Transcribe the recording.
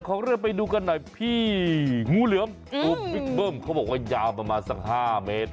ของเรื่องไปดูกันหน่อยพี่งูเหลือมตัวบิ๊กเบิ้มเขาบอกว่ายาวประมาณสัก๕เมตร